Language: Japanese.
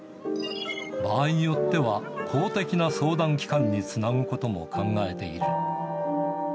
場合によっては公的な相談機関につなぐことも考えている。